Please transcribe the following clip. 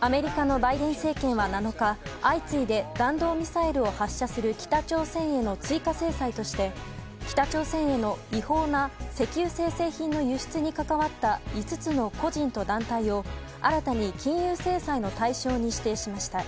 アメリカのバイデン政権は７日相次いで弾道ミサイルを発射する北朝鮮への追加制裁として北朝鮮への違法な石油精製品の輸出に関わった５つの個人と団体を新たに金融制裁の対象に指定しました。